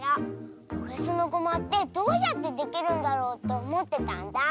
おへそのごまってどうやってできるんだろうっておもってたんだ。